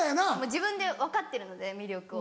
自分で分かってるので魅力を。